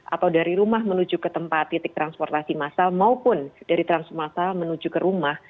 atau dari rumah menuju ke tempat titik transportasi massal maupun dari transmar menuju ke rumah